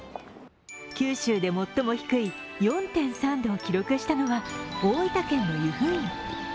九州で最も低い４．３度を記録したのは大分県の湯布院。